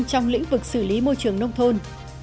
trong lĩnh vực xử lý môi trường nông thôn